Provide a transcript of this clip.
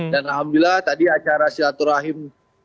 dan alhamdulillah tadi acara silaturahim